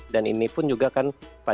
dan ini pun juga akan berkurang